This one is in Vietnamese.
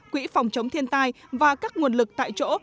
quỹ phòng chống thiên tai và các nguồn lực tại chỗ